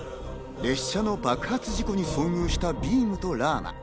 列車の爆発事故に遭遇したビームとラーマ。